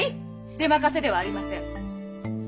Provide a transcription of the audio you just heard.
出任せではありません。